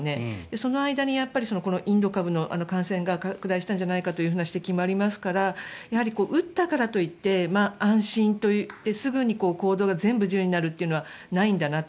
その間にインド株の感染が拡大したんじゃないかという指摘もありますからやはり、打ったからといって安心といってすぐに行動が全部自由になるということはないんだなと。